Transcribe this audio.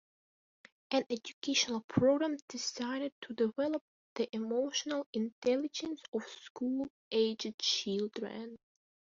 An educational programme designed to develop the emotional intelligence of school-aged children.